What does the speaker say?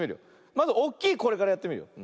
まずおっきいこれからやってみるよ。